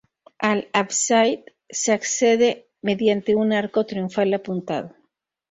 Al ábside se accede mediante un arco triunfal apuntado.